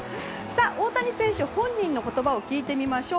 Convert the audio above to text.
大谷選手本人の言葉を聞いてみましょう。